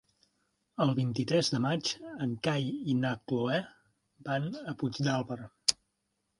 El vint-i-tres de maig en Cai i na Cloè van a Puigdàlber.